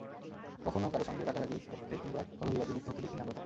কখনো কারও সঙ্গে রাগারাগি করতে কিংবা কলহ-বিবাদে লিপ্ত হতে দেখিনি আমরা তাঁকে।